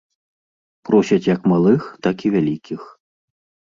Просяць як малых, так і вялікіх.